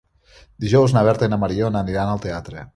Dijous na Berta i na Mariona aniran al teatre.